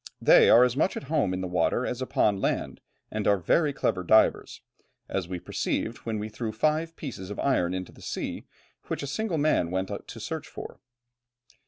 They are as much at home in the water as upon land, and are very clever divers, as we perceived when we threw five pieces of iron into the sea, which a single man went to search for."